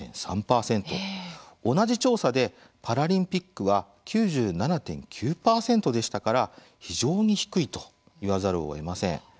同じ調査でパラリンピックは９７．９％でしたから非常に低いと言わざるをえません。